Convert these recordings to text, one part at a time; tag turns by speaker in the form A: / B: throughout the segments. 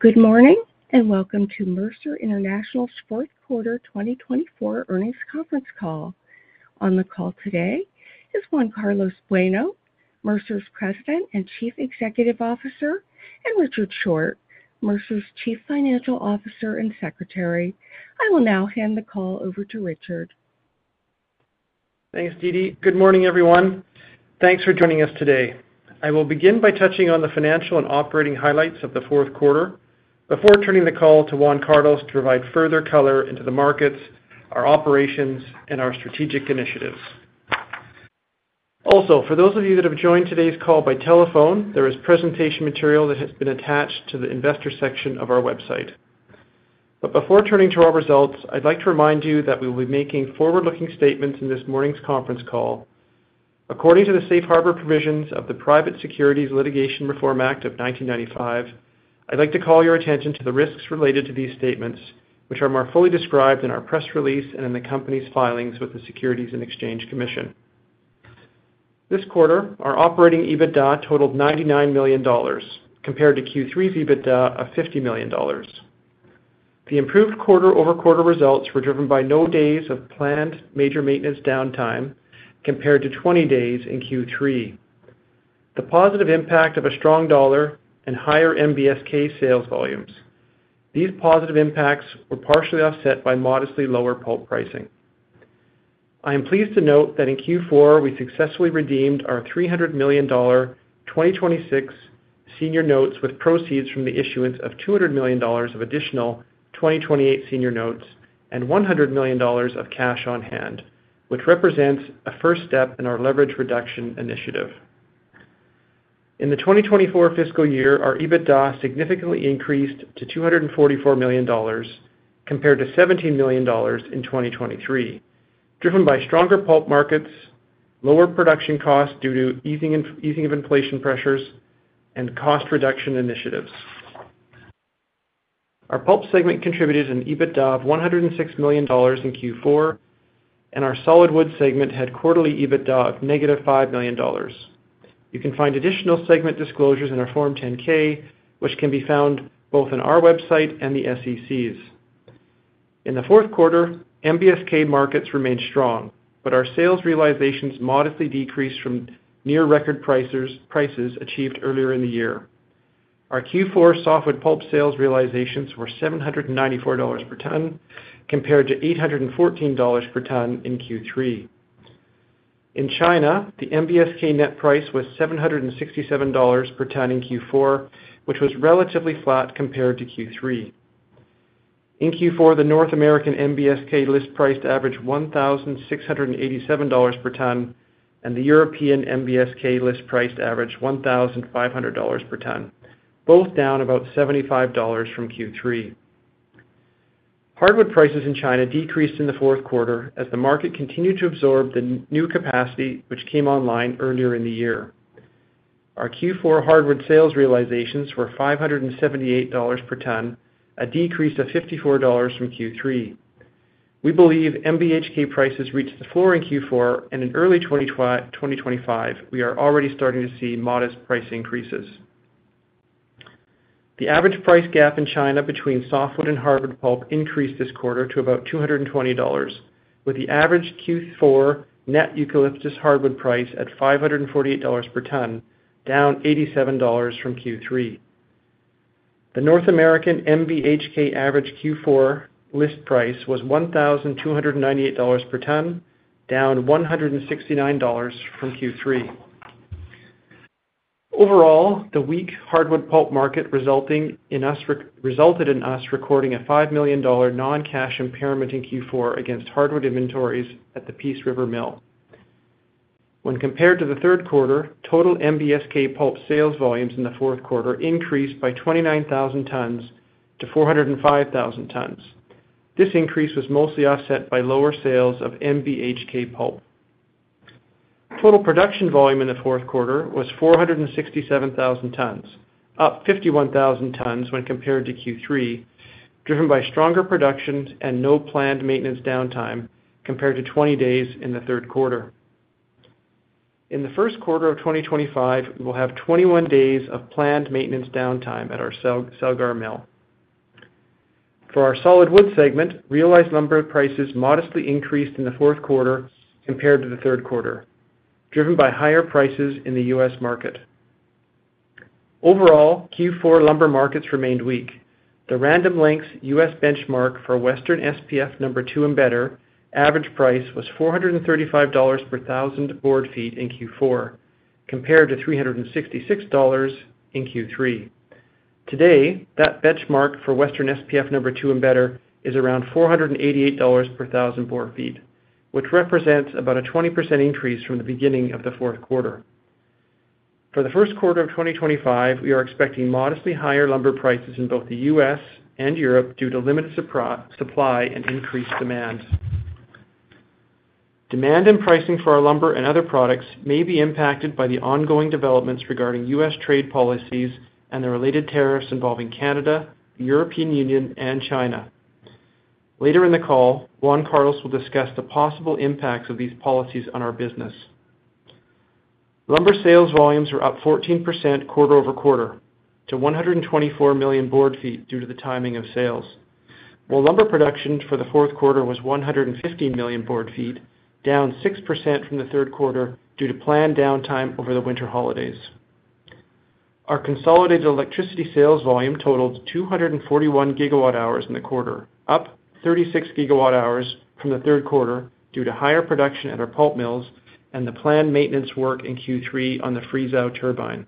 A: Good morning and welcome to Mercer International's Fourth Quarter 2024 earnings conference call. On the call today is Juan Carlos Bueno, Mercer's President and Chief Executive Officer, and Richard Short, Mercer's Chief Financial Officer and Secretary. I will now hand the call over to Richard.
B: Thanks, Didi. Good morning, everyone. Thanks for joining us today. I will begin by touching on the financial and operating highlights of the fourth quarter before turning the call to Juan Carlos to provide further color into the markets, our operations, and our strategic initiatives. Also, for those of you that have joined today's call by telephone, there is presentation material that has been attached to the investor section of our website. Before turning to our results, I'd like to remind you that we will be making forward-looking statements in this morning's conference call. According to the Safe Harbor Provisions of the Private Securities Litigation Reform Act of 1995, I'd like to call your attention to the risks related to these statements, which are more fully described in our press release and in the company's filings with the Securities and Exchange Commission. This quarter, our operating EBITDA totaled $99 million, compared to Q3's EBITDA of $50 million. The improved quarter-over-quarter results were driven by no days of planned major maintenance downtime compared to 20 days in Q3, the positive impact of a strong dollar, and higher NBSK sales volumes. These positive impacts were partially offset by modestly lower pulp pricing. I am pleased to note that in Q4, we successfully redeemed our $300 million 2026 senior notes with proceeds from the issuance of $200 million of additional 2028 senior notes and $100 million of cash on hand, which represents a first step in our leverage reduction initiative. In the 2024 fiscal year, our EBITDA significantly increased to $244 million compared to $17 million in 2023, driven by stronger pulp markets, lower production costs due to easing of inflation pressures, and cost reduction initiatives. Our pulp segment contributed an EBITDA of $106 million in Q4, and our solid wood segment had quarterly EBITDA of negative $5 million. You can find additional segment disclosures in our Form 10-K, which can be found both on our website and the SEC's. In the fourth quarter, NBSK markets remained strong, but our sales realizations modestly decreased from near-record prices achieved earlier in the year. Our Q4 softwood pulp sales realizations were $794 per ton compared to $814 per ton in Q3. In China, the NBSK net price was $767 per ton in Q4, which was relatively flat compared to Q3. In Q4, the North American NBSK list price averaged $1,687 per ton, and the European NBSK list price averaged $1,500 per ton, both down about $75 from Q3. Hardwood prices in China decreased in the fourth quarter as the market continued to absorb the new capacity which came online earlier in the year. Our Q4 hardwood sales realizations were $578 per ton, a decrease of $54 from Q3. We believe NBHK prices reached the floor in Q4, and in early 2025, we are already starting to see modest price increases. The average price gap in China between softwood and hardwood pulp increased this quarter to about $220, with the average Q4 net eucalyptus hardwood price at $548 per ton, down $87 from Q3. The North American NBHK average Q4 list price was $1,298 per ton, down $169 from Q3. Overall, the weak hardwood pulp market resulted in us recording a $5 million non-cash impairment in Q4 against hardwood inventories at the Peace River Mill. When compared to the third quarter, total NBSK pulp sales volumes in the fourth quarter increased by 29,000 tons-405,000 tons. This increase was mostly offset by lower sales of NBHK pulp. Total production volume in the fourth quarter was 467,000 tons, up 51,000 tons when compared to Q3, driven by stronger production and no planned maintenance downtime compared to 20 days in the third quarter. In the first quarter of 2025, we will have 21 days of planned maintenance downtime at our Celgar Mill. For our solid wood segment, realized lumber prices modestly increased in the fourth quarter compared to the third quarter, driven by higher prices in the U.S. market. Overall, Q4 lumber markets remained weak. The Random Lengths U.S. benchmark for Western S-P-F #2 & Btr average price was $435 per 1,000 board feet in Q4, compared to $366 in Q3. Today, that benchmark for Western S-P-F #2 & Btr is around $488 per 1,000 board feet, which represents about a 20% increase from the beginning of the fourth quarter. For the first quarter of 2025, we are expecting modestly higher lumber prices in both the U.S. and Europe due to limited supply and increased demand. Demand and pricing for our lumber and other products may be impacted by the ongoing developments regarding U.S. trade policies and the related tariffs involving Canada, the European Union, and China. Later in the call, Juan Carlos will discuss the possible impacts of these policies on our business. Lumber sales volumes were up 14% quarter-over-quarter to 124 million board feet due to the timing of sales, while lumber production for the fourth quarter was 150 million board feet, down 6% from the third quarter due to planned downtime over the winter holidays. Our consolidated electricity sales volume totaled 241 gigawatt hours in the quarter, up 36 gigawatt hours from the third quarter due to higher production at our pulp mills and the planned maintenance work in Q3 on the Friesau turbine.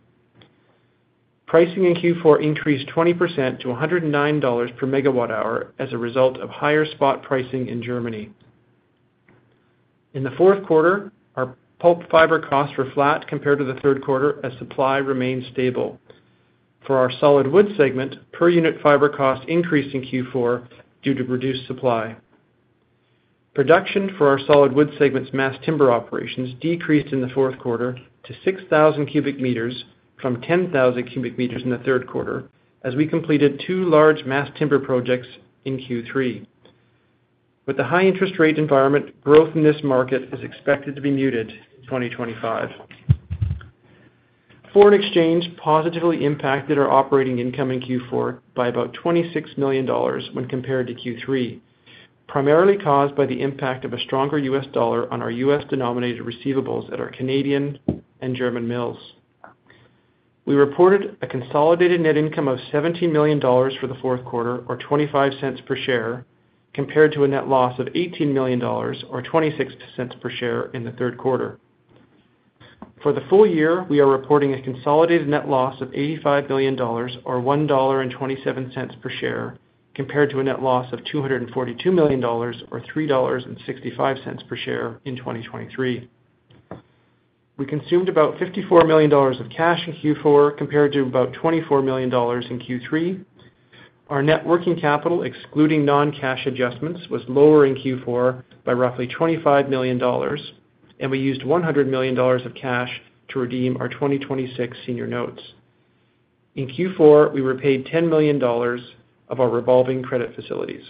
B: Pricing in Q4 increased 20% to $109 per megawatt hour as a result of higher spot pricing in Germany. In the fourth quarter, our pulp fiber costs were flat compared to the third quarter as supply remained stable. For our solid wood segment, per unit fiber costs increased in Q4 due to reduced supply. Production for our solid wood segment's mass timber operations decreased in the fourth quarter to 6,000 cubic meters from 10,000 cubic meters in the third quarter as we completed two large mass timber projects in Q3. With the high interest rate environment, growth in this market is expected to be muted in 2025. Foreign exchange positively impacted our operating income in Q4 by about $26 million when compared to Q3, primarily caused by the impact of a stronger U.S. dollar on our U.S.-denominated receivables at our Canadian and German mills. We reported a consolidated net income of $17 million for the fourth quarter, or $0.25 per share, compared to a net loss of $18 million, or $0.26 per share in the third quarter. For the full year, we are reporting a consolidated net loss of $85 million, or $1.27 per share, compared to a net loss of $242 million, or $3.65 per share in 2023. We consumed about $54 million of cash in Q4 compared to about $24 million in Q3. Our net working capital, excluding non-cash adjustments, was lower in Q4 by roughly $25 million, and we used $100 million of cash to redeem our 2026 senior notes. In Q4, we repaid $10 million of our revolving credit facilities.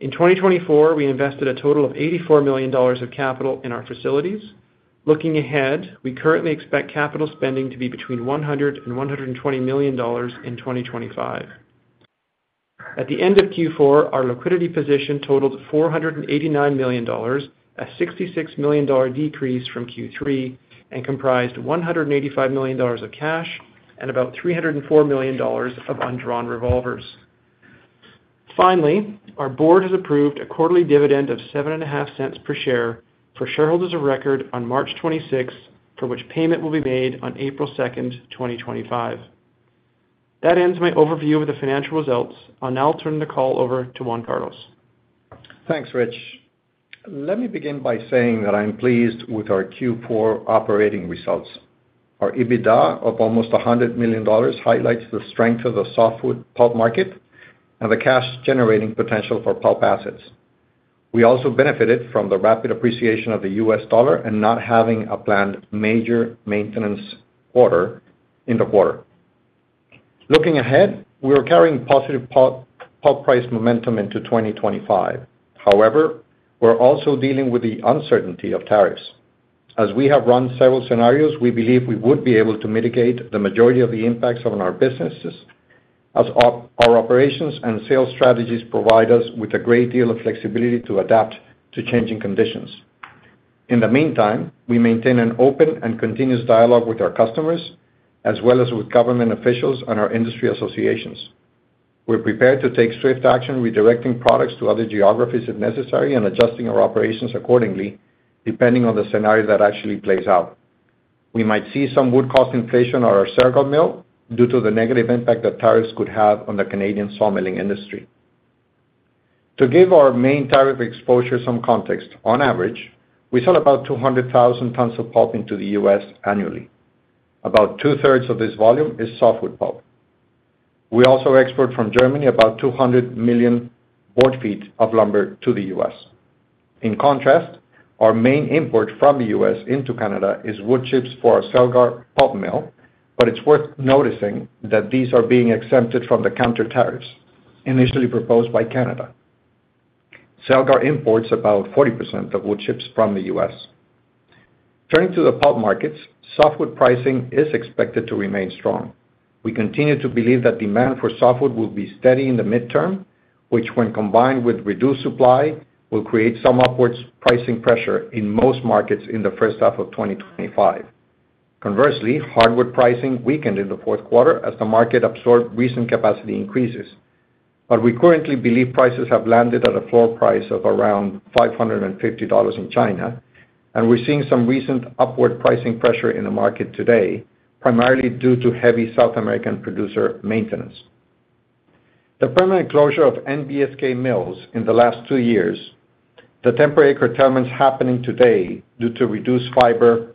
B: In 2024, we invested a total of $84 million of capital in our facilities. Looking ahead, we currently expect capital spending to be between $100 million and $120 million in 2025. At the end of Q4, our liquidity position totaled $489 million, a $66 million decrease from Q3, and comprised $185 million of cash and about $304 million of undrawn revolvers. Finally, our board has approved a quarterly dividend of $0.075 per share for shareholders of record on March 26, for which payment will be made on April 2, 2025. That ends my overview of the financial results. I'll now turn the call over to Juan Carlos.
C: Thanks, Rich. Let me begin by saying that I'm pleased with our Q4 operating results. Our EBITDA of almost $100 million highlights the strength of the softwood pulp market and the cash-generating potential for pulp assets. We also benefited from the rapid appreciation of the U.S. dollar and not having a planned major maintenance order in the quarter. Looking ahead, we are carrying positive pulp price momentum into 2025. However, we're also dealing with the uncertainty of tariffs. As we have run several scenarios, we believe we would be able to mitigate the majority of the impacts on our businesses as our operations and sales strategies provide us with a great deal of flexibility to adapt to changing conditions. In the meantime, we maintain an open and continuous dialogue with our customers, as well as with government officials and our industry associations. We're prepared to take swift action, redirecting products to other geographies if necessary and adjusting our operations accordingly, depending on the scenario that actually plays out. We might see some wood cost inflation at our Celgar Mill due to the negative impact that tariffs could have on the Canadian sawmilling industry. To give our main tariff exposure some context, on average, we sell about 200,000 tons of pulp into the U.S. annually. About two-thirds of this volume is softwood pulp. We also export from Germany about 200 million board feet of lumber to the U.S. In contrast, our main import from the U.S. into Canada is wood chips for our Celgar Pulp Mill, but it's worth noticing that these are being exempted from the countertariffs initially proposed by Canada. Celgar imports about 40% of wood chips from the U.S. Turning to the pulp markets, softwood pricing is expected to remain strong. We continue to believe that demand for softwood will be steady in the midterm, which, when combined with reduced supply, will create some upward pricing pressure in most markets in the first half of 2025. Conversely, hardwood pricing weakened in the fourth quarter as the market absorbed recent capacity increases. We currently believe prices have landed at a floor price of around $550 in China, and we're seeing some recent upward pricing pressure in the market today, primarily due to heavy South American producer maintenance. The permanent closure of NBSK mills in the last two years, the temporary curtailments happening today due to reduced fiber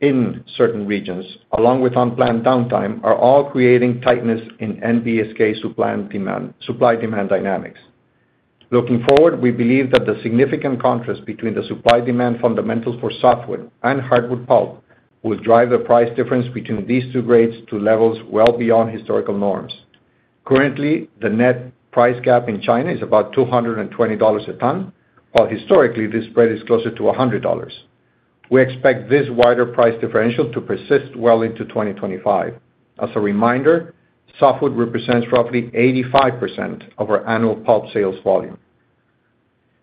C: in certain regions, along with unplanned downtime, are all creating tightness in NBSK supply demand dynamics. Looking forward, we believe that the significant contrast between the supply-demand fundamentals for softwood and hardwood pulp will drive the price difference between these two grades to levels well beyond historical norms. Currently, the net price gap in China is about $220 a ton, while historically this spread is closer to $100. We expect this wider price differential to persist well into 2025. As a reminder, softwood represents roughly 85% of our annual pulp sales volume.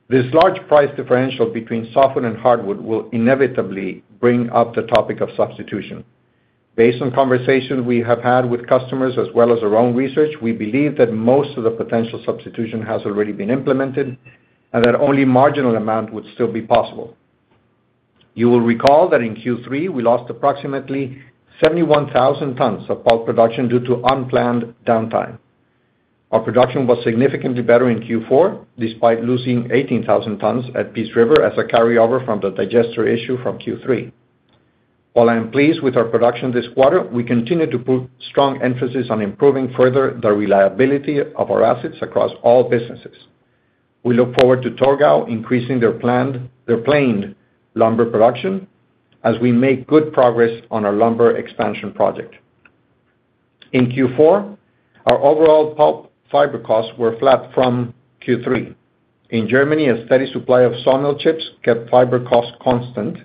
C: This large price differential between softwood and hardwood will inevitably bring up the topic of substitution. Based on conversations we have had with customers as well as our own research, we believe that most of the potential substitution has already been implemented and that only a marginal amount would still be possible. You will recall that in Q3, we lost approximately 71,000 tons of pulp production due to unplanned downtime. Our production was significantly better in Q4, despite losing 18,000 tons at Peace River as a carryover from the digester issue from Q3. While I am pleased with our production this quarter, we continue to put strong emphasis on improving further the reliability of our assets across all businesses. We look forward to Torgau increasing their planned lumber production as we make good progress on our lumber expansion project. In Q4, our overall pulp fiber costs were flat from Q3. In Germany, a steady supply of sawmill chips kept fiber costs constant,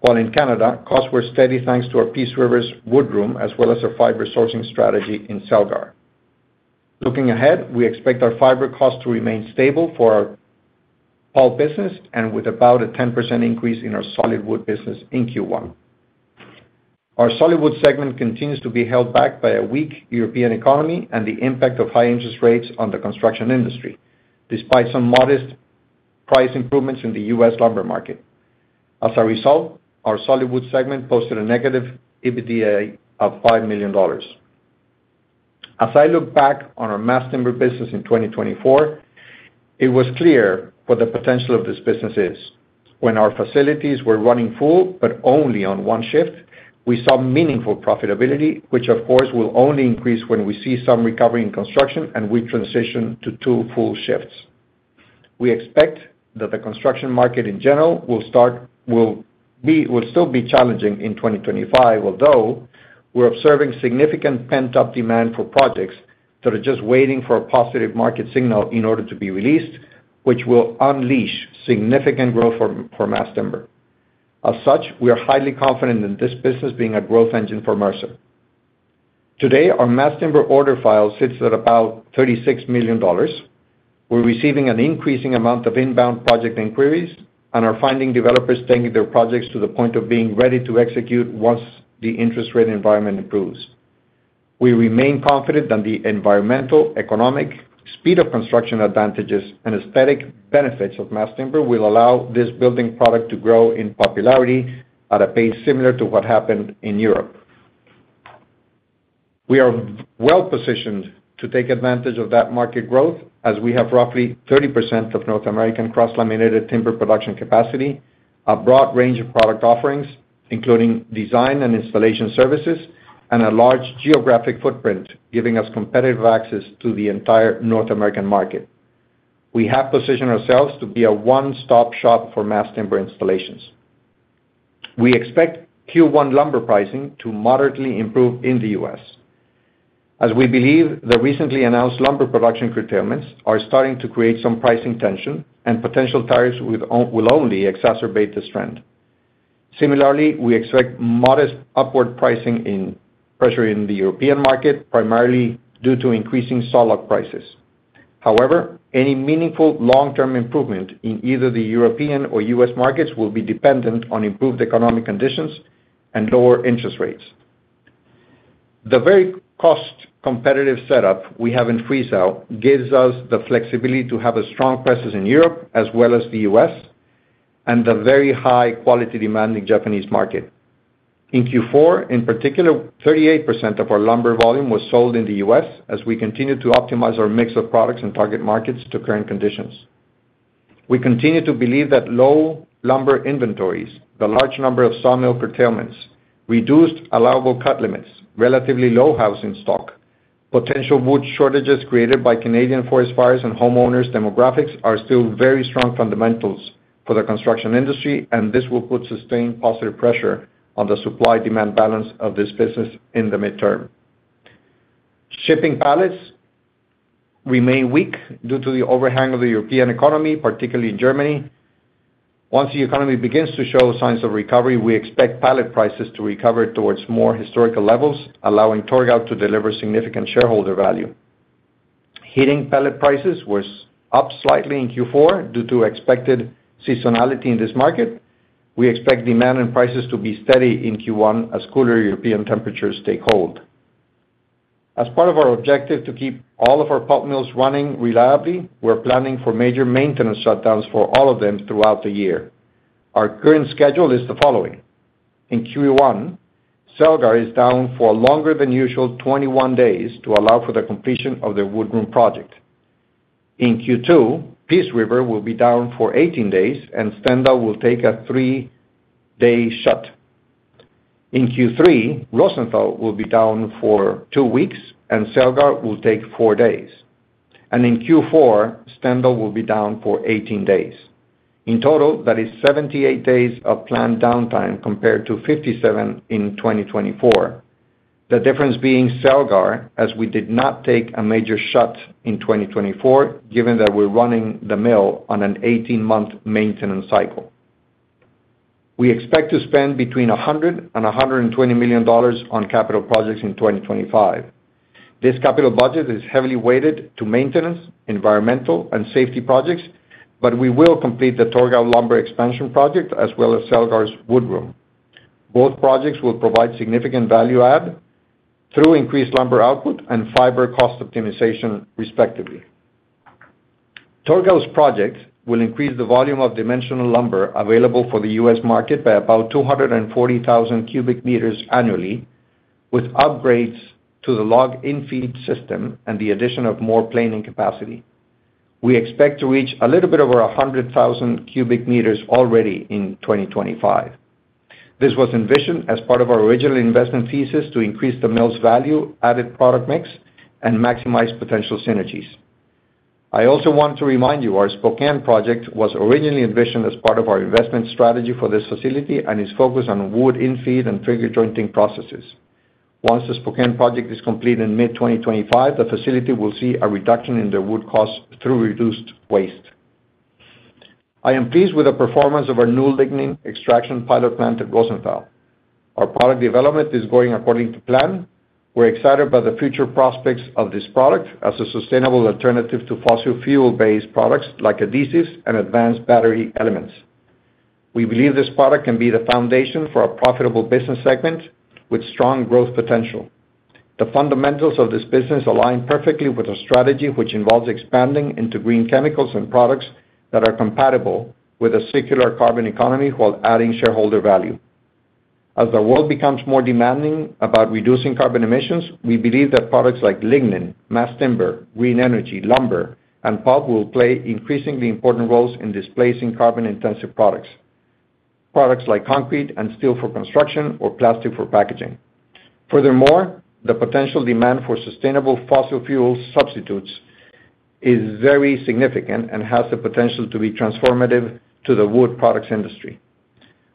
C: while in Canada, costs were steady thanks to our Peace River's Wood Room as well as our fiber sourcing strategy in Celgar. Looking ahead, we expect our fiber costs to remain stable for our pulp business and with about a 10% increase in our solid wood business in Q1. Our solid wood segment continues to be held back by a weak European economy and the impact of high interest rates on the construction industry, despite some modest price improvements in the U.S. lumber market. As a result, our solid wood segment posted a negative EBITDA of $5 million. As I look back on our mass timber business in 2024, it was clear what the potential of this business is. When our facilities were running full, but only on one shift, we saw meaningful profitability, which, of course, will only increase when we see some recovery in construction and we transition to two full shifts. We expect that the construction market in general will still be challenging in 2025, although we're observing significant pent-up demand for projects that are just waiting for a positive market signal in order to be released, which will unleash significant growth for mass timber. As such, we are highly confident in this business being a growth engine for Mercer. Today, our mass timber order file sits at about $36 million. We're receiving an increasing amount of inbound project inquiries and are finding developers taking their projects to the point of being ready to execute once the interest rate environment improves. We remain confident that the environmental, economic, speed of construction advantages, and aesthetic benefits of mass timber will allow this building product to grow in popularity at a pace similar to what happened in Europe. We are well positioned to take advantage of that market growth as we have roughly 30% of North American cross-laminated timber production capacity, a broad range of product offerings, including design and installation services, and a large geographic footprint, giving us competitive access to the entire North American market. We have positioned ourselves to be a one-stop shop for mass timber installations. We expect Q1 lumber pricing to moderately improve in the U.S. as we believe the recently announced lumber production curtailments are starting to create some pricing tension, and potential tariffs will only exacerbate this trend. Similarly, we expect modest upward pricing pressure in the European market, primarily due to increasing saw log prices. However, any meaningful long-term improvement in either the European or U.S. markets will be dependent on improved economic conditions and lower interest rates. The very cost-competitive setup we have in Friesau gives us the flexibility to have a strong presence in Europe as well as the U.S., and the very high quality demand in the Japanese market. In Q4, in particular, 38% of our lumber volume was sold in the U.S. As we continue to optimize our mix of products and target markets to current conditions. We continue to believe that low lumber inventories, the large number of sawmill curtailments, reduced allowable cut limits, relatively low housing stock, and potential wood shortages created by Canadian forest fires and homeowners' demographics are still very strong fundamentals for the construction industry, and this will put sustained positive pressure on the supply-demand balance of this business in the midterm. Shipping pallets remain weak due to the overhang of the European economy, particularly in Germany. Once the economy begins to show signs of recovery, we expect pallet prices to recover towards more historical levels, allowing Torgau to deliver significant shareholder value. Heating pallet prices were up slightly in Q4 due to expected seasonality in this market. We expect demand and prices to be steady in Q1 as cooler European temperatures take hold. As part of our objective to keep all of our pulp mills running reliably, we're planning for major maintenance shutdowns for all of them throughout the year. Our current schedule is the following. In Q1, Celgar is down for a longer than usual 21 days to allow for the completion of the Wood Room project. In Q2, Peace River will be down for 18 days, and Stendal will take a three-day shut. In Q3, Rosenthal will be down for two weeks, and Celgar will take four days. In Q4, Stendal will be down for 18 days. In total, that is 78 days of planned downtime compared to 57 in 2024, the difference being Celgar, as we did not take a major shut in 2024, given that we're running the mill on an 18-month maintenance cycle. We expect to spend between $100 million and $120 million on capital projects in 2025. This capital budget is heavily weighted to maintenance, environmental, and safety projects, but we will complete the Torgau lumber expansion project as well as Celgar's Wood Room. Both projects will provide significant value-add through increased lumber output and fiber cost optimization, respectively. Torgau's project will increase the volume of dimensional lumber available for the U.S. market by about 240,000 cubic meters annually, with upgrades to the log in-feed system and the addition of more planing capacity. We expect to reach a little bit over 100,000 cubic meters already in 2025. This was envisioned as part of our original investment thesis to increase the mill's value-added product mix and maximize potential synergies. I also want to remind you our Spokane project was originally envisioned as part of our investment strategy for this facility and is focused on wood in-feed and trigger jointing processes. Once the Spokane project is completed in mid-2025, the facility will see a reduction in their wood costs through reduced waste. I am pleased with the performance of our new lignin extraction pilot plant at Rosenthal. Our product development is going according to plan. We're excited by the future prospects of this product as a sustainable alternative to fossil fuel-based products like adhesives and advanced battery elements. We believe this product can be the foundation for a profitable business segment with strong growth potential. The fundamentals of this business align perfectly with our strategy, which involves expanding into green chemicals and products that are compatible with a circular carbon economy while adding shareholder value. As the world becomes more demanding about reducing carbon emissions, we believe that products like lignin, mass timber, green energy, lumber, and pulp will play increasingly important roles in displacing carbon-intensive products, products like concrete and steel for construction or plastic for packaging. Furthermore, the potential demand for sustainable fossil fuel substitutes is very significant and has the potential to be transformative to the wood products industry.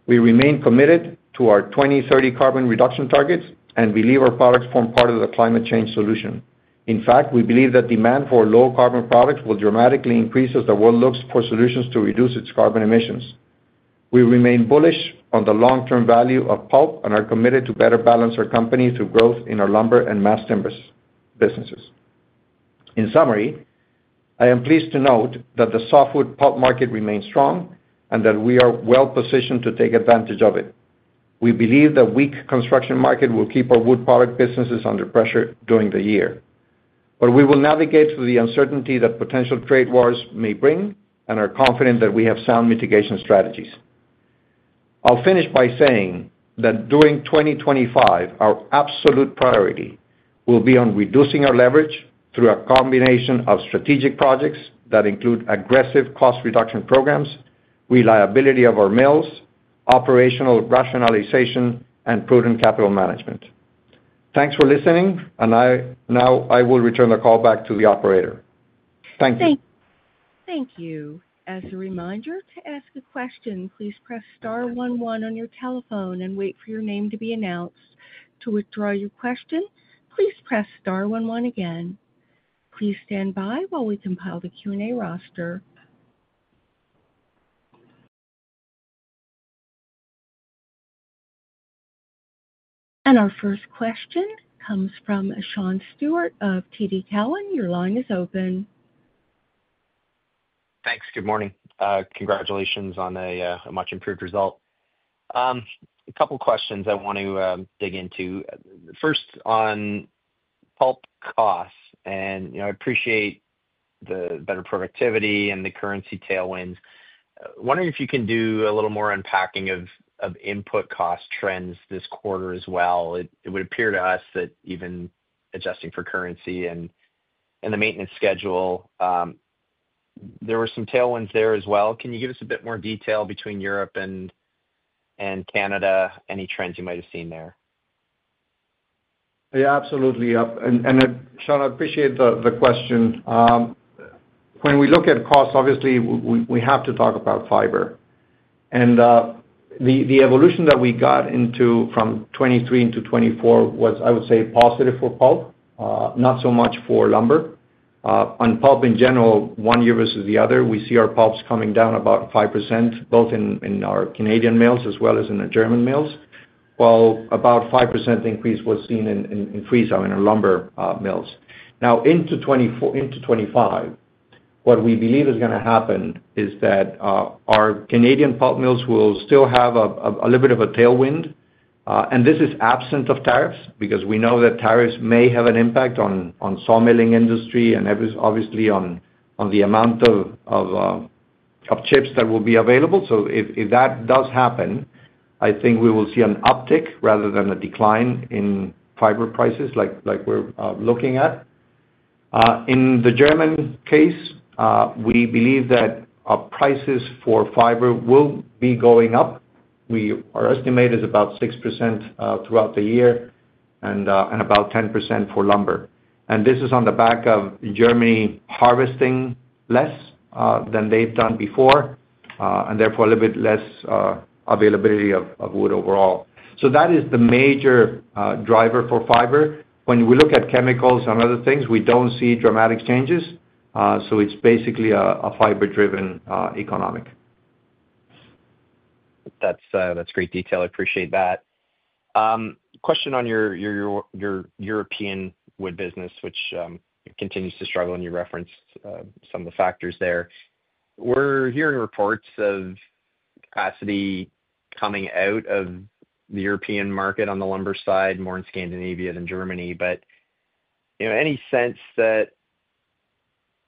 C: We remain committed to our 2030 carbon reduction targets and believe our products form part of the climate change solution. In fact, we believe that demand for low-carbon products will dramatically increase as the world looks for solutions to reduce its carbon emissions. We remain bullish on the long-term value of pulp and are committed to better balance our company through growth in our lumber and mass timber businesses. In summary, I am pleased to note that the softwood pulp market remains strong and that we are well positioned to take advantage of it. We believe the weak construction market will keep our wood product businesses under pressure during the year, but we will navigate through the uncertainty that potential trade wars may bring and are confident that we have sound mitigation strategies. I'll finish by saying that during 2025, our absolute priority will be on reducing our leverage through a combination of strategic projects that include aggressive cost reduction programs, reliability of our mills, operational rationalization, and prudent capital management. Thanks for listening, and now I will return the call back to the operator. Thank you.
A: Thank you. As a reminder, to ask a question, please press star one one on your telephone and wait for your name to be announced. To withdraw your question, please press star one one again. Please stand by while we compile the Q&A roster. Our first question comes from Sean Steuart of TD Cowen. Your line is open.
D: Thanks. Good morning. Congratulations on a much-improved result. A couple of questions I want to dig into. First, on pulp costs, and I appreciate the better productivity and the currency tailwinds. Wondering if you can do a little more unpacking of input cost trends this quarter as well. It would appear to us that even adjusting for currency and the maintenance schedule, there were some tailwinds there as well. Can you give us a bit more detail between Europe and Canada? Any trends you might have seen there?
C: Yeah, absolutely. Sean, I appreciate the question. When we look at costs, obviously, we have to talk about fiber. The evolution that we got into from 2023 into 2024 was, I would say, positive for pulp, not so much for lumber. On pulp in general, one year versus the other, we see our pulps coming down about 5%, both in our Canadian mills as well as in our German mills, while about a 5% increase was seen in Friesau in our lumber mills. Now, into 2025, what we believe is going to happen is that our Canadian pulp mills will still have a little bit of a tailwind. This is absent of tariffs because we know that tariffs may have an impact on the sawmilling industry and obviously on the amount of chips that will be available. If that does happen, I think we will see an uptick rather than a decline in fiber prices like we're looking at. In the German case, we believe that our prices for fiber will be going up. Our estimate is about 6% throughout the year and about 10% for lumber. This is on the back of Germany harvesting less than they have done before and therefore a little bit less availability of wood overall. That is the major driver for fiber. When we look at chemicals and other things, we do not see dramatic changes. It is basically a fiber-driven economic.
D: That is great detail. I appreciate that. Question on your European wood business, which continues to struggle, and you referenced some of the factors there. We are hearing reports of capacity coming out of the European market on the lumber side, more in Scandinavia than Germany. Any sense that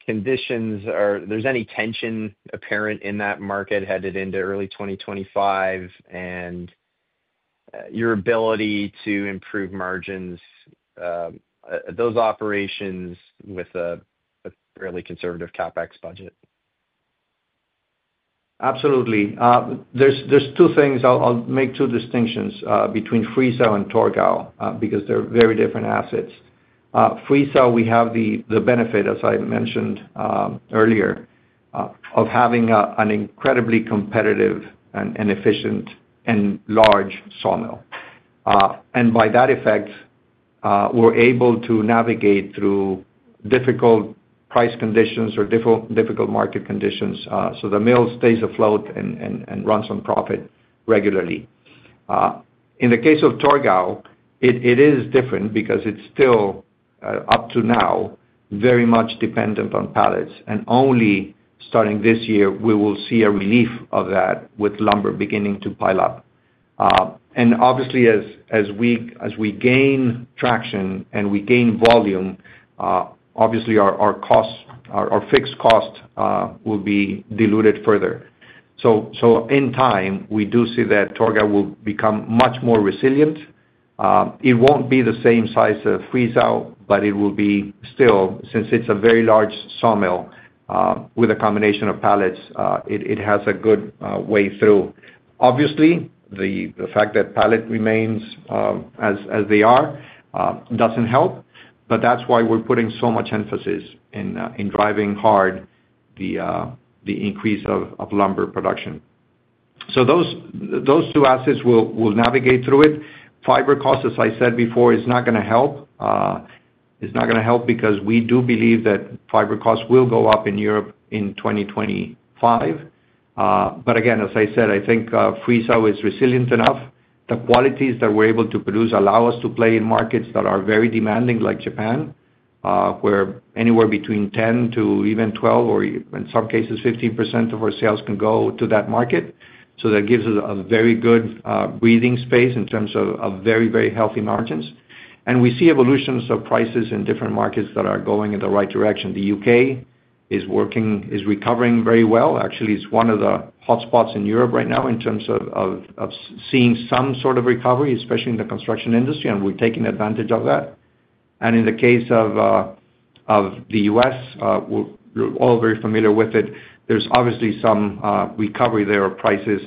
D: conditions are, there's any tension apparent in that market headed into early 2025 and your ability to improve margins, those operations with a fairly conservative CapEx budget?
C: Absolutely. There are two things. I'll make two distinctions between Friesau and Torgau because they're very different assets. Friesau, we have the benefit, as I mentioned earlier, of having an incredibly competitive and efficient and large sawmill. By that effect, we're able to navigate through difficult price conditions or difficult market conditions so the mill stays afloat and runs on profit regularly. In the case of Torgau, it is different because it's still, up to now, very much dependent on pallets. Only starting this year, we will see a relief of that with lumber beginning to pile up. Obviously, as we gain traction and we gain volume, our fixed cost will be diluted further. In time, we do see that Torgau will become much more resilient. It won't be the same size as Friesau, but it will be still, since it's a very large sawmill with a combination of pallets, it has a good way through. Obviously, the fact that pallets remain as they are doesn't help, but that's why we're putting so much emphasis in driving hard the increase of lumber production. Those two assets will navigate through it. Fiber cost, as I said before, is not going to help. It's not going to help because we do believe that fiber costs will go up in Europe in 2025. Again, as I said, I think Friesau is resilient enough. The qualities that we're able to produce allow us to play in markets that are very demanding, like Japan, where anywhere between 10% to even 12%, or in some cases, 15% of our sales can go to that market. That gives us a very good breathing space in terms of very, very healthy margins. We see evolutions of prices in different markets that are going in the right direction. The U.K. is recovering very well. Actually, it is one of the hotspots in Europe right now in terms of seeing some sort of recovery, especially in the construction industry, and we're taking advantage of that. In the case of the U.S., we're all very familiar with it. There is obviously some recovery there of prices.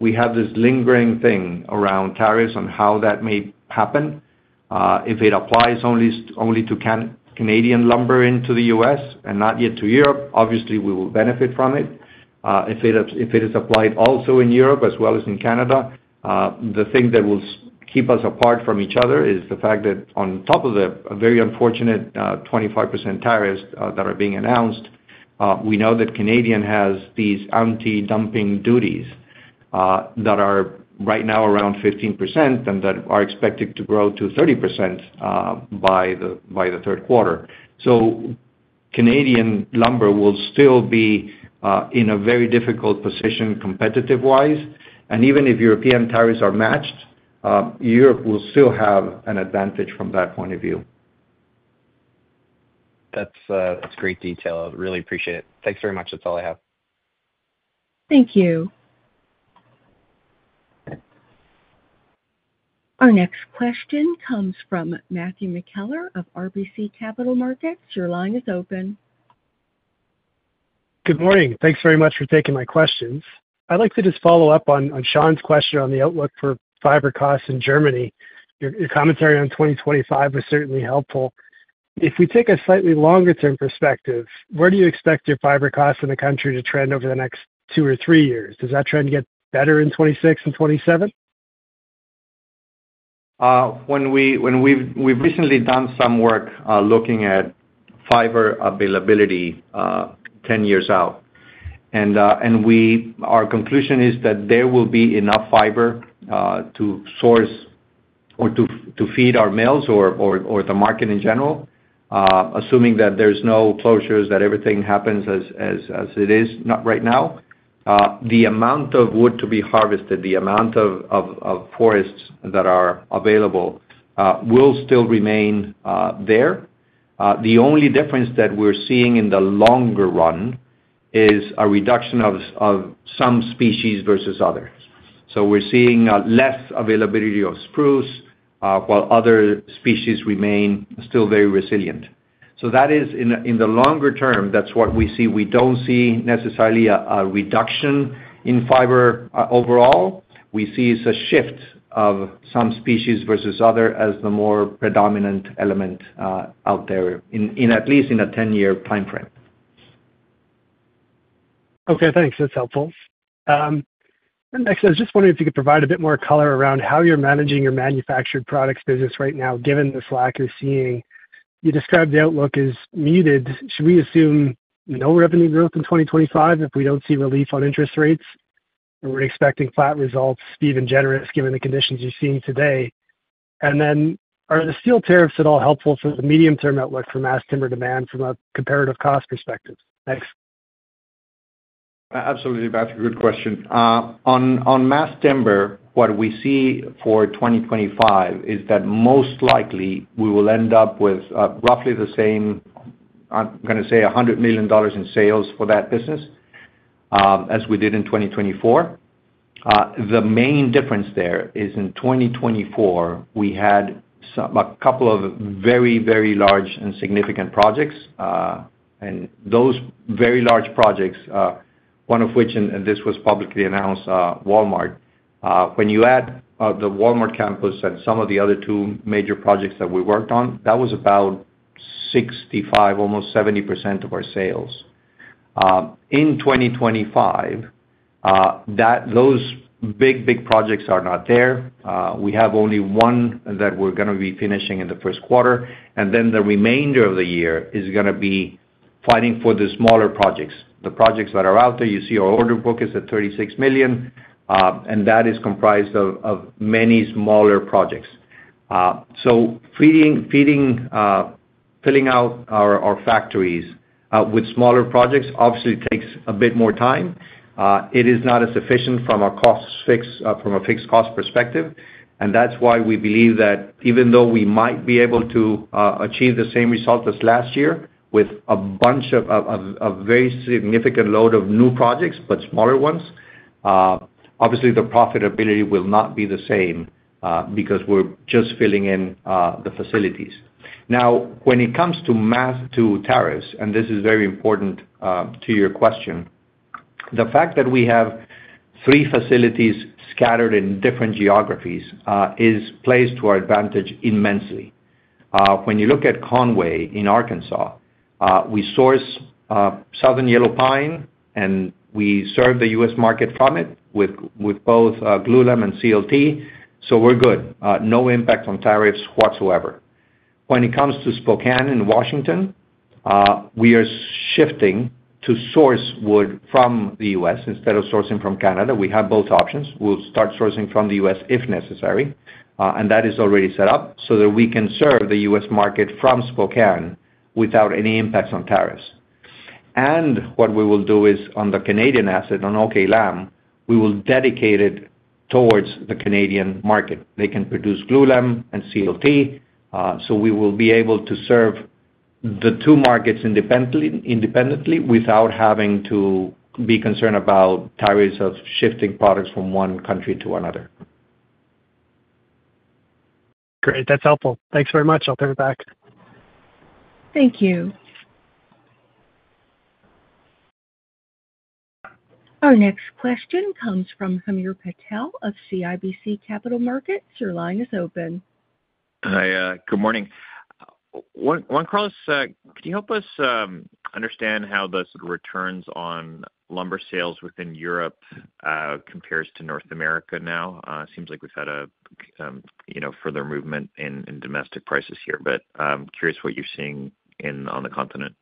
C: We have this lingering thing around tariffs and how that may happen. If it applies only to Canadian lumber into the U.S. and not yet to Europe, obviously, we will benefit from it. If it is applied also in Europe as well as in Canada, the thing that will keep us apart from each other is the fact that on top of the very unfortunate 25% tariffs that are being announced, we know that Canada has these anti-dumping duties that are right now around 15% and that are expected to grow to 30% by the third quarter. So Canadian lumber will still be in a very difficult position competitive-wise. Even if European tariffs are matched, Europe will still have an advantage from that point of view.
D: That's great detail. I really appreciate it. Thanks very much. That's all I have.
A: Thank you. Our next question comes from Matthew McKellar of RBC Capital Markets. Your line is open.
E: Good morning. Thanks very much for taking my questions. I'd like to just follow up on Sean's question on the outlook for fiber costs in Germany. Your commentary on 2025 was certainly helpful. If we take a slightly longer-term perspective, where do you expect your fiber costs in the country to trend over the next two or three years? Does that trend get better in 2026 and 2027?
C: We've recently done some work looking at fiber availability 10 years out. Our conclusion is that there will be enough fiber to source or to feed our mills or the market in general, assuming that there's no closures, that everything happens as it is right now. The amount of wood to be harvested, the amount of forests that are available, will still remain there. The only difference that we're seeing in the longer run is a reduction of some species versus others. We're seeing less availability of spruce while other species remain still very resilient. That is in the longer term, that's what we see. We don't see necessarily a reduction in fiber overall. We see a shift of some species versus others as the more predominant element out there, at least in a 10-year timeframe.
E: Okay. Thanks. That's helpful. Next, I was just wondering if you could provide a bit more color around how you're managing your manufactured products business right now, given the slack you're seeing. You described the outlook as muted. Should we assume no revenue growth in 2025 if we don't see relief on interest rates? We're expecting flat results, even generous, given the conditions you're seeing today. Are the steel tariffs at all helpful for the medium-term outlook for mass timber demand from a comparative cost perspective? Thanks.
C: Absolutely, Matthew. Good question. On mass timber, what we see for 2025 is that most likely we will end up with roughly the same, I'm going to say, $100 million in sales for that business as we did in 2024. The main difference there is in 2024, we had a couple of very, very large and significant projects. Those very large projects, one of which, and this was publicly announced, Walmart, when you add the Walmart campus and some of the other two major projects that we worked on, that was about 65%, almost 70% of our sales. In 2025, those big, big projects are not there. We have only one that we're going to be finishing in the first quarter. The remainder of the year is going to be fighting for the smaller projects. The projects that are out there, you see our order book is at $36 million, and that is comprised of many smaller projects. Filling out our factories with smaller projects obviously takes a bit more time. It is not as efficient from a fixed cost perspective. That is why we believe that even though we might be able to achieve the same result as last year with a bunch of very significant load of new projects, but smaller ones, obviously, the profitability will not be the same because we're just filling in the facilities. Now, when it comes to tariffs, and this is very important to your question, the fact that we have three facilities scattered in different geographies is placed to our advantage immensely. When you look at Conway in Arkansas, we source Southern Yellow Pine, and we serve the U.S. market from it with both Glulam and CLT. We are good. No impact on tariffs whatsoever. When it comes to Spokane in Washington, we are shifting to source wood from the U.S. instead of sourcing from Canada. We have both options. We will start sourcing from the U.S. if necessary, and that is already set up so that we can serve the U.S. market from Spokane without any impacts on tariffs. What we will do is on the Canadian asset, on OK Lam, we will dedicate it towards the Canadian market. They can produce Glulam and CLT. We will be able to serve the two markets independently without having to be concerned about tariffs of shifting products from one country to another.
E: Great. That's helpful. Thanks very much. I'll turn it back.
A: Thank you. Our next question comes from Hamir Patel of CIBC Capital Markets. Your line is open.
F: Hi. Good morning. Juan Carlos, could you help us understand how the returns on lumber sales within Europe compares to North America now? It seems like we've had a further movement in domestic prices here, but I'm curious what you're seeing on the continent.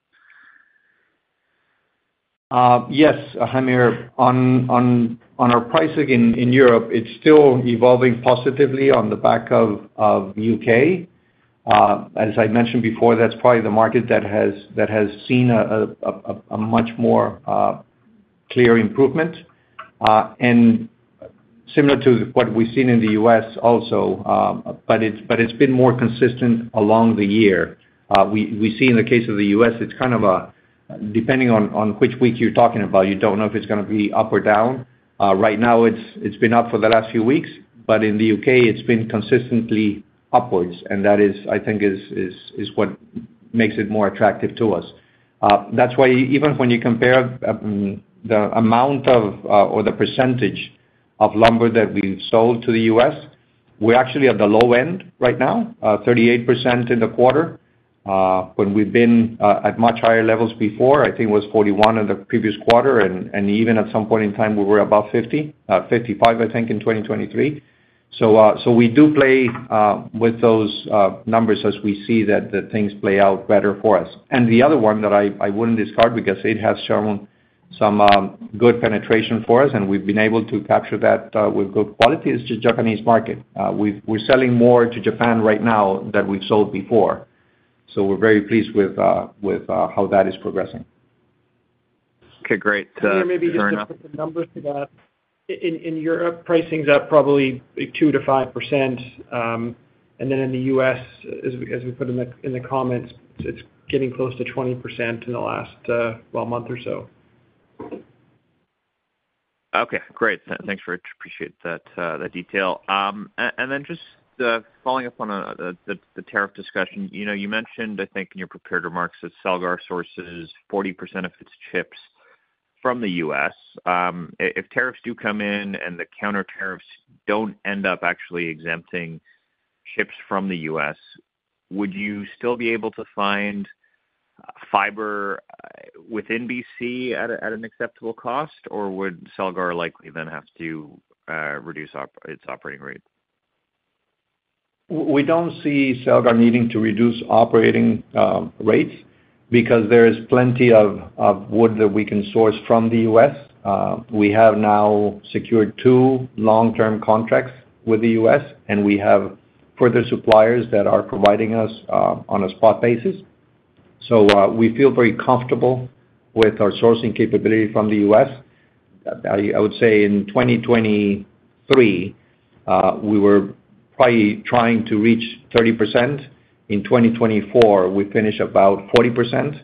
C: Yes, Hamir. On our pricing in Europe, it's still evolving positively on the back of the U.K. As I mentioned before, that's probably the market that has seen a much more clear improvement and similar to what we've seen in the U.S. also, but it's been more consistent along the year. We see in the case of the U.S., it's kind of depending on which week you're talking about, you don't know if it's going to be up or down. Right now, it's been up for the last few weeks, but in the U.K., it's been consistently upwards. That is, I think, what makes it more attractive to us. That's why even when you compare the amount of or the percentage of lumber that we've sold to the U.S., we're actually at the low end right now, 38% in the quarter. When we've been at much higher levels before, I think it was 41% in the previous quarter, and even at some point in time, we were above 50%-55%, I think, in 2023. We do play with those numbers as we see that things play out better for us. The other one that I wouldn't discard because it has shown some good penetration for us, and we've been able to capture that with good quality, is the Japanese market. We're selling more to Japan right now than we've sold before. We are very pleased with how that is progressing.
F: Okay. Great.
B: Hamir, maybe just to put some numbers to that. In Europe, pricing's up probably 2%-5%. In the U.S., as we put in the comments, it's getting close to 20% in the last month or so.
F: Okay. Great. Thanks, Rich. Appreciate that detail. Just following up on the tariff discussion, you mentioned, I think in your prepared remarks, that Celgar sources 40% of its chips from the U.S. If tariffs do come in and the countertariffs do not end up actually exempting chips from the U.S., would you still be able to find fiber within BC at an acceptable cost, or would Celgar likely then have to reduce its operating rate?
C: We do not see Celgar needing to reduce operating rates because there is plenty of wood that we can source from the U.S. We have now secured two long-term contracts with the U.S., and we have further suppliers that are providing us on a spot basis. We feel very comfortable with our sourcing capability from the U.S. I would say in 2023, we were probably trying to reach 30%. In 2024, we finished about 40%.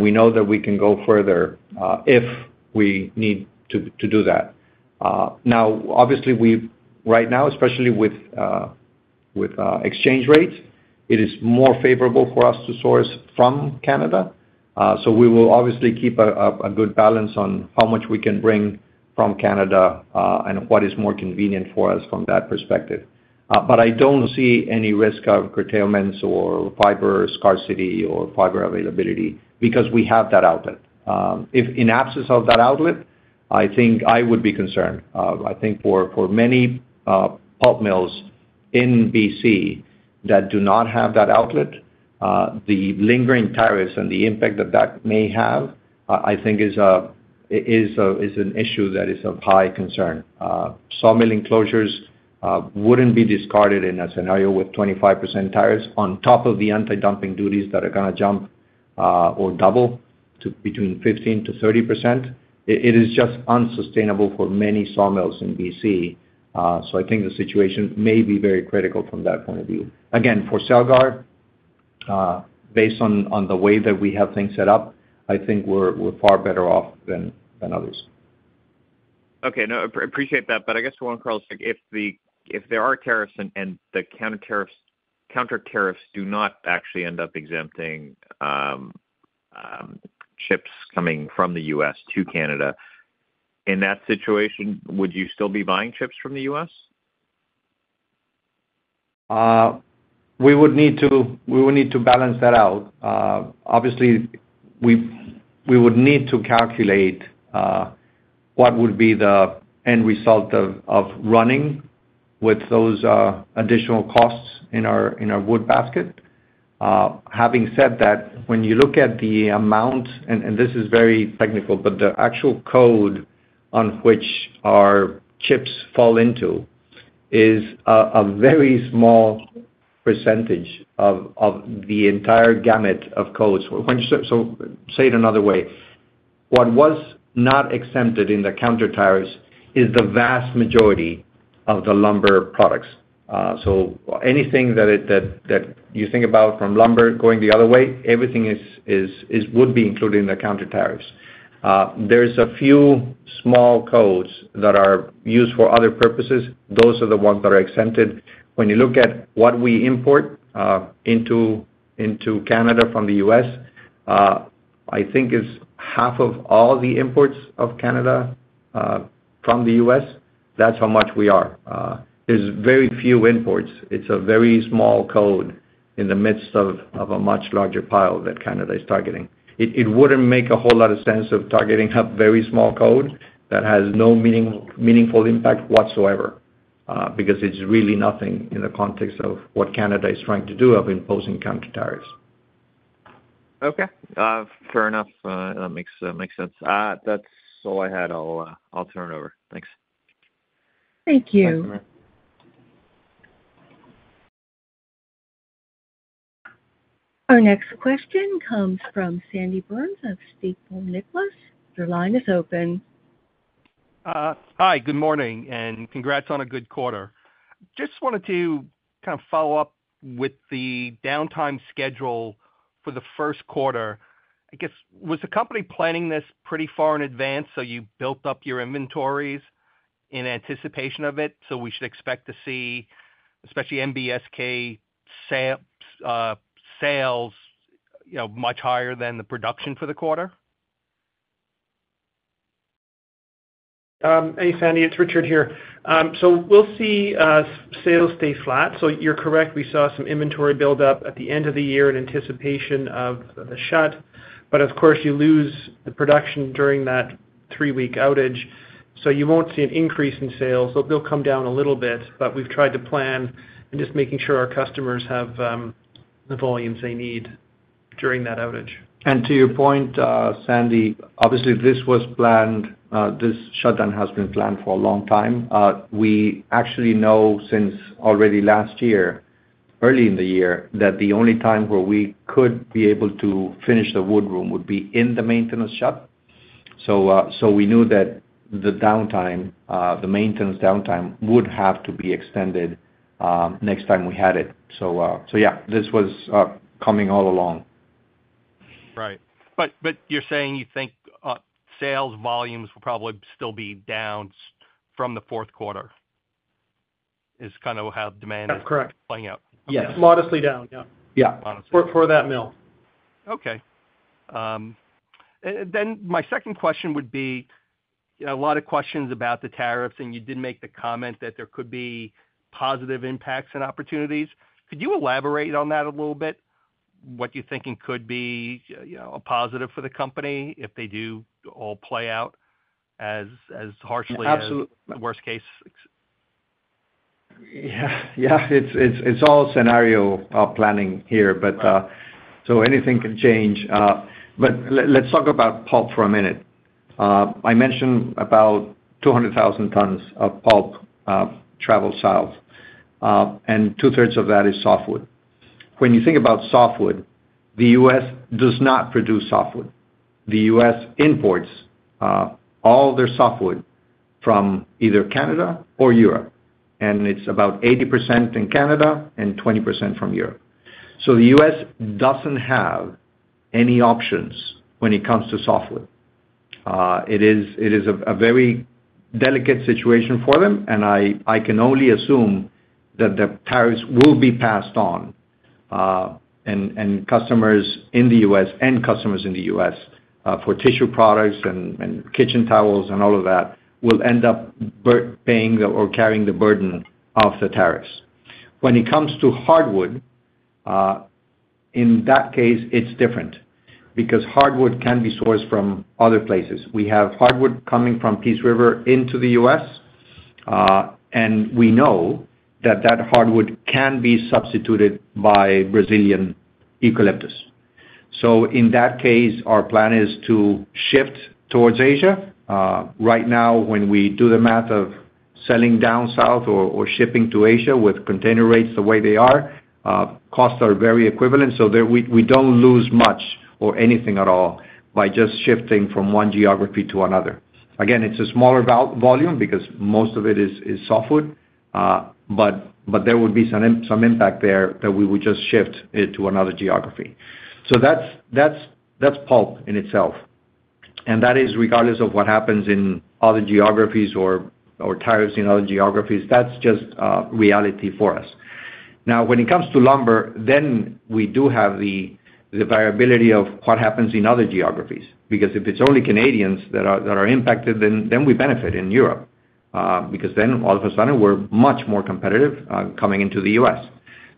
C: We know that we can go further if we need to do that. Obviously, right now, especially with exchange rates, it is more favorable for us to source from Canada. We will obviously keep a good balance on how much we can bring from Canada and what is more convenient for us from that perspective. I do not see any risk of curtailments or fiber scarcity or fiber availability because we have that outlet. In absence of that outlet, I think I would be concerned. I think for many pulp mills in BC that do not have that outlet, the lingering tariffs and the impact that that may have, I think, is an issue that is of high concern. Sawmill enclosures would not be discarded in a scenario with 25% tariffs on top of the anti-dumping duties that are going to jump or double to between 15%-30%. It is just unsustainable for many sawmills in BC. I think the situation may be very critical from that point of view. Again, for Celgar, based on the way that we have things set up, I think we are far better off than others.
F: Okay. I appreciate that. I guess, Juan Carlos, if there are tariffs and the countertariffs do not actually end up exempting chips coming from the U.S. to Canada, in that situation, would you still be buying chips from the U.S.?
C: We would need to balance that out. Obviously, we would need to calculate what would be the end result of running with those additional costs in our wood basket. Having said that, when you look at the amount, and this is very technical, but the actual code on which our chips fall into is a very small percentage of the entire gamut of codes. To say it another way, what was not exempted in the countertariffs is the vast majority of the lumber products. Anything that you think about from lumber going the other way, everything would be included in the countertariffs. There's a few small codes that are used for other purposes. Those are the ones that are exempted. When you look at what we import into Canada from the U.S., I think it's half of all the imports of Canada from the U.S. That's how much we are. There's very few imports. It's a very small code in the midst of a much larger pile that Canada is targeting. It wouldn't make a whole lot of sense targeting a very small code that has no meaningful impact whatsoever because it's really nothing in the context of what Canada is trying to do of imposing countertariffs.
F: Okay. Fair enough. That makes sense. That's all I had. I'll turn it over. Thanks.
A: Thank you. Our next question comes from Sandy Burns of Stifel Nicolaus. Your line is open.
G: Hi. Good morning. And congrats on a good quarter. Just wanted to kind of follow up with the downtime schedule for the first quarter. I guess, was the company planning this pretty far in advance? You built up your inventories in anticipation of it. We should expect to see, especially NBSK sales, much higher than the production for the quarter?
B: Hey, Sandy. It's Richard here. We will see sales stay flat. You are correct. We saw some inventory buildup at the end of the year in anticipation of the shut. Of course, you lose the production during that three-week outage. You will not see an increase in sales. They will come down a little bit, but we have tried to plan and just making sure our customers have the volumes they need during that outage.
C: To your point, Sandy, obviously, this shutdown has been planned for a long time. We actually know since already last year, early in the year, that the only time where we could be able to finish the wood room would be in the maintenance shut. We knew that the maintenance downtime would have to be extended next time we had it. This was coming all along.
G: Right. You're saying you think sales volumes will probably still be down from the fourth quarter is kind of how demand is playing out.
C: That's correct. Yes. Modestly down. For that mill.
G: My second question would be a lot of questions about the tariffs, and you did make the comment that there could be positive impacts and opportunities. Could you elaborate on that a little bit, what you're thinking could be a positive for the company if they do all play out as harshly as the worst case?
C: Yeah. Yeah. It's all scenario planning here. Anything can change. Let's talk about pulp for a minute. I mentioned about 200,000 tons of pulp travel south, and 2/3 of that is softwood. When you think about softwood, the U.S. does not produce softwood. The U.S. imports all their softwood from either Canada or Europe. It's about 80% in Canada and 20% from Europe. The U.S. does not have any options when it comes to softwood. It is a very delicate situation for them, and I can only assume that the tariffs will be passed on. Customers in the U.S. for tissue products and kitchen towels and all of that will end up paying or carrying the burden of the tariffs. When it comes to hardwood, in that case, it's different because hardwood can be sourced from other places. We have hardwood coming from Peace River into the U.S., and we know that that hardwood can be substituted by Brazilian eucalyptus. In that case, our plan is to shift towards Asia. Right now, when we do the math of selling down south or shipping to Asia with container rates the way they are, costs are very equivalent. We do not lose much or anything at all by just shifting from one geography to another. Again, it is a smaller volume because most of it is softwood, but there would be some impact there that we would just shift it to another geography. That is pulp in itself. That is regardless of what happens in other geographies or tariffs in other geographies. That is just reality for us. Now, when it comes to lumber, we do have the variability of what happens in other geographies. Because if it's only Canadians that are impacted, then we benefit in Europe because then all of a sudden, we're much more competitive coming into the U.S.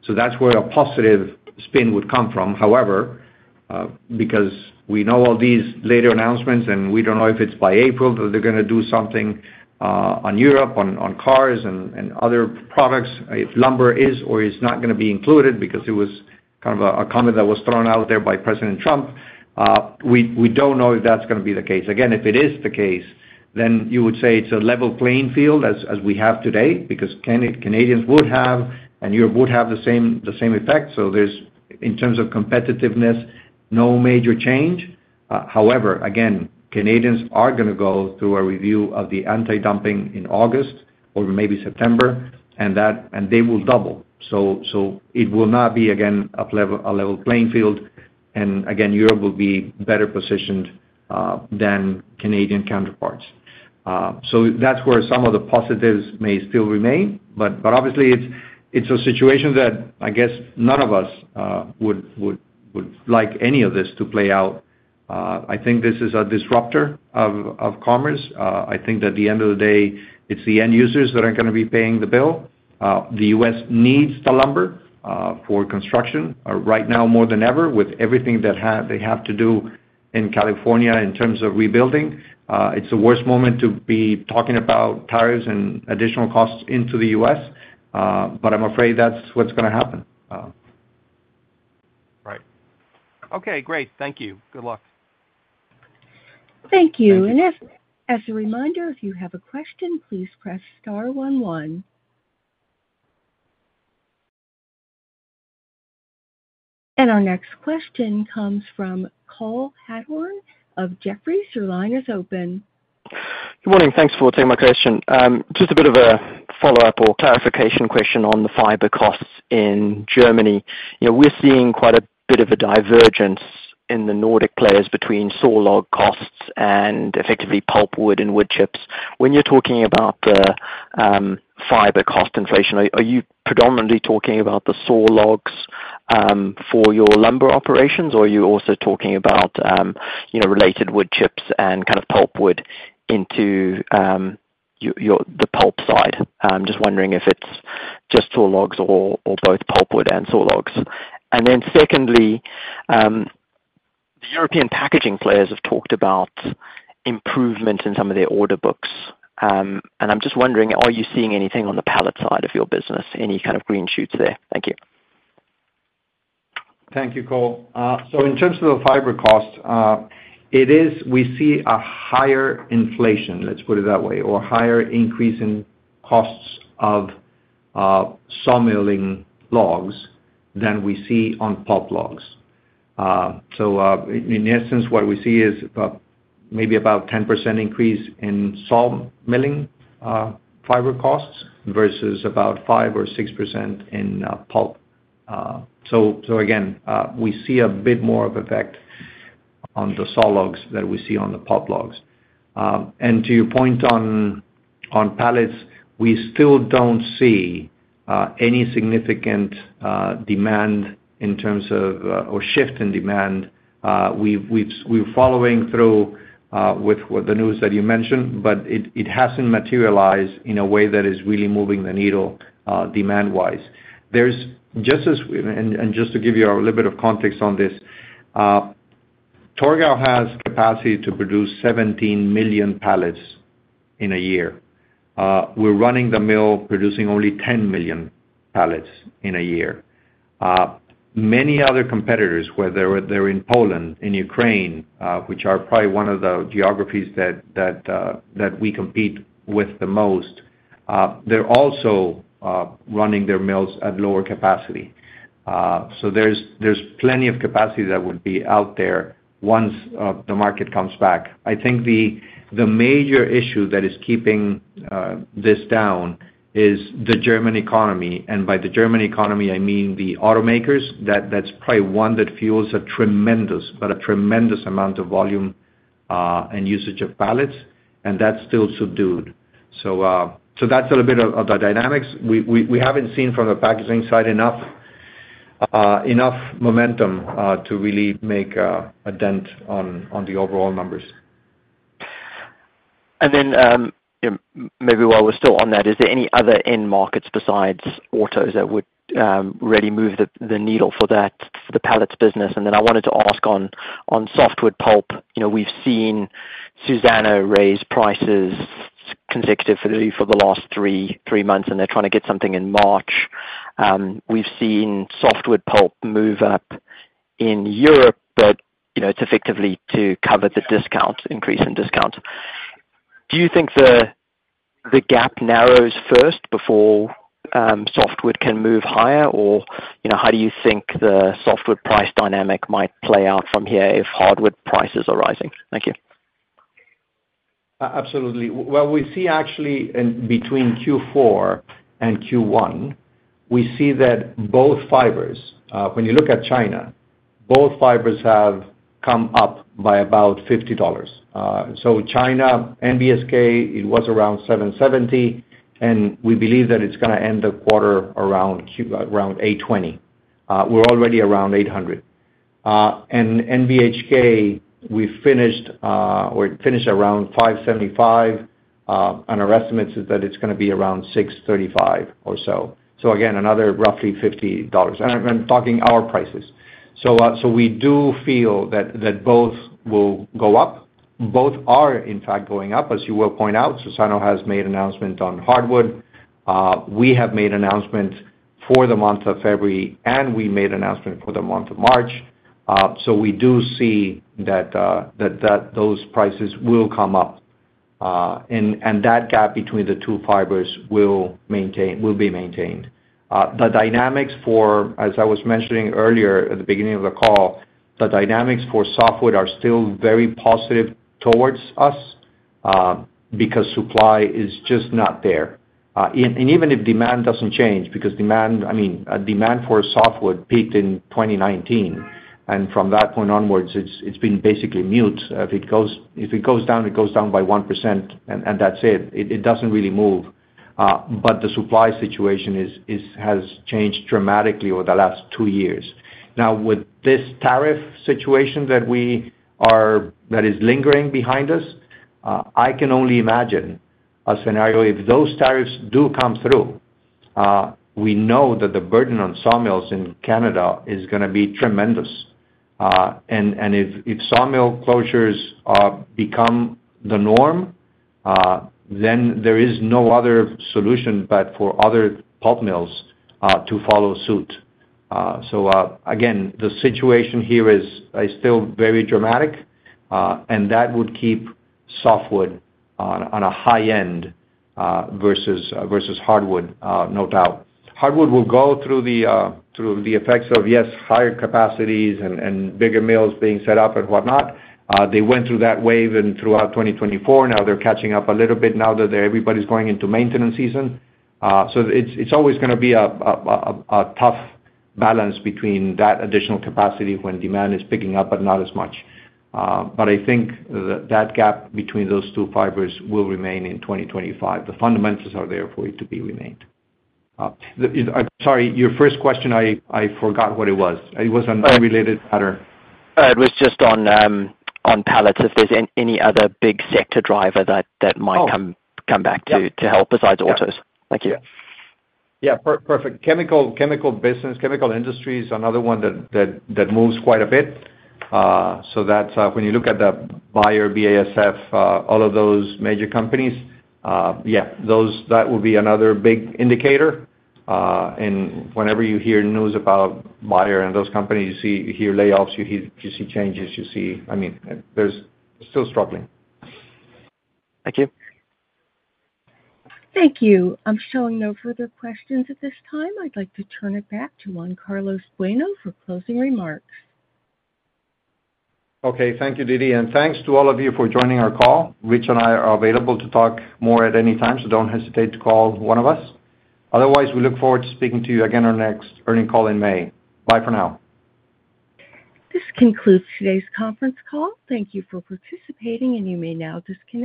C: That's where a positive spin would come from. However, because we know all these later announcements, and we don't know if it's by April that they're going to do something on Europe on cars and other products, if lumber is or is not going to be included because it was kind of a comment that was thrown out there by President Trump, we don't know if that's going to be the case. Again, if it is the case, then you would say it's a level playing field as we have today because Canadians would have and Europe would have the same effect. In terms of competitiveness, no major change. However, again, Canadians are going to go through a review of the anti-dumping in August or maybe September, and they will double. It will not be, again, a level playing field. Europe will be better positioned than Canadian counterparts. That is where some of the positives may still remain. Obviously, it is a situation that I guess none of us would like any of this to play out. I think this is a disruptor of commerce. I think that at the end of the day, it is the end users that are going to be paying the bill. The U.S. needs the lumber for construction right now more than ever with everything that they have to do in California in terms of rebuilding. It is the worst moment to be talking about tariffs and additional costs into the U.S. I am afraid that is what is going to happen.
G: Right. Okay. Great. Thank you. Good luck.
A: Thank you. As a reminder, if you have a question, please press star one one. Our next question comes from Cole Hathorn of Jefferies.
H: Good morning. Thanks for taking my question. Just a bit of a follow-up or clarification question on the fiber costs in Germany. We're seeing quite a bit of a divergence in the Nordic players between saw log costs and effectively pulp wood and wood chips. When you're talking about the fiber cost inflation, are you predominantly talking about the saw logs for your lumber operations, or are you also talking about related wood chips and kind of pulp wood into the pulp side? I'm just wondering if it's just saw logs or both pulp wood and saw logs. Secondly, the European packaging players have talked about improvements in some of their order books. I'm just wondering, are you seeing anything on the pallet side of your business, any kind of green shoots there? Thank you.
C: Thank you, Cole. In terms of the fiber cost, we see a higher inflation, let's put it that way, or higher increase in costs of sawmilling logs than we see on pulp logs. In essence, what we see is maybe about a 10% increase in sawmilling fiber costs versus about 5% or 6% in pulp. Again, we see a bit more of an effect on the saw logs than we see on the pulp logs. To your point on pallets, we still don't see any significant demand in terms of or shift in demand. We're following through with the news that you mentioned, but it hasn't materialized in a way that is really moving the needle demand-wise. Just to give you a little bit of context on this, Torgau has capacity to produce 17 million pallets in a year. We're running the mill producing only 10 million pallets in a year. Many other competitors, whether they're in Poland, in Ukraine, which are probably one of the geographies that we compete with the most, they're also running their mills at lower capacity. There's plenty of capacity that would be out there once the market comes back. I think the major issue that is keeping this down is the German economy. By the German economy, I mean the automakers. That's probably one that fuels a tremendous, but a tremendous amount of volume and usage of pallets, and that's still subdued. That's a little bit of the dynamics. We haven't seen from the packaging side enough momentum to really make a dent on the overall numbers.
H: Maybe while we're still on that, is there any other end markets besides autos that would really move the needle for the pallets business? I wanted to ask on softwood pulp. We've seen Suzano raise prices consecutively for the last three months, and they're trying to get something in March. We've seen softwood pulp move up in Europe, but it's effectively to cover the increase in discount. Do you think the gap narrows first before softwood can move higher, or how do you think the softwood price dynamic might play out from here if hardwood prices are rising? Thank you.
C: Absolutely. We see actually between Q4 and Q1, we see that both fibers, when you look at China, both fibers have come up by about $50. China, NBSK, it was around $770, and we believe that it's going to end the quarter around $820. We're already around $800. NBHK, we finished around $575, and our estimate is that it's going to be around $635 or so. Again, another roughly $50. I'm talking our prices. We do feel that both will go up. Both are, in fact, going up, as you will point out. Suzano has made an announcement on hardwood. We have made an announcement for the month of February, and we made an announcement for the month of March. We do see that those prices will come up, and that gap between the two fibers will be maintained. The dynamics for, as I was mentioning earlier at the beginning of the call, the dynamics for softwood are still very positive towards us because supply is just not there. Even if demand doesn't change, because demand, I mean, demand for softwood peaked in 2019, and from that point onwards, it's been basically mute. If it goes down, it goes down by 1%, and that's it. It doesn't really move. The supply situation has changed dramatically over the last two years. Now, with this tariff situation that is lingering behind us, I can only imagine a scenario. If those tariffs do come through, we know that the burden on saw mills in Canada is going to be tremendous. If sawmill closures become the norm, then there is no other solution but for other pulp mills to follow suit. The situation here is still very dramatic, and that would keep softwood on a high end versus hardwood, no doubt. Hardwood will go through the effects of, yes, higher capacities and bigger mills being set up and whatnot. They went through that wave throughout 2024. Now they're catching up a little bit now that everybody's going into maintenance season. It's always going to be a tough balance between that additional capacity when demand is picking up, but not as much. I think that gap between those two fibers will remain in 2025. The fundamentals are there for it to be remained. I'm sorry, your first question, I forgot what it was. It was an unrelated matter.
H: It was just on pallets. If there's any other big sector driver that might come back to help besides autos. Thank you.
C: Yeah. Perfect. Chemical business, chemical industry is another one that moves quite a bit. When you look at Bayer, BASF, all of those major companies, yeah, that would be another big indicator. Whenever you hear news about Bayer and those companies, you hear layoffs, you see changes, you see, I mean, they're still struggling.
H: Thank you.
A: Thank you. I'm showing no further questions at this time. I'd like to turn it back to Juan Carlos Bueno for closing remarks.
C: Okay. Thank you, Didi. Thanks to all of you for joining our call. Rich and I are available to talk more at any time, so don't hesitate to call one of us. Otherwise, we look forward to speaking to you again on our next earning call in May. Bye for now.
A: This concludes today's conference call. Thank you for participating, and you may now disconnect.